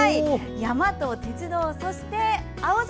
山と鉄道、そして青空。